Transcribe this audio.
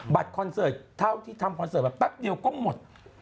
คอนเสิร์ตเท่าที่ทำคอนเสิร์ตแบบแป๊บเดียวก็หมด